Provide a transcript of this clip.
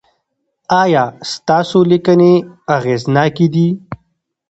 ایا ستاسو لیکنې اغیزناکې دي؟